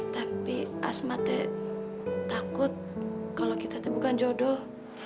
tapi asma takut kalau kita bukan jodoh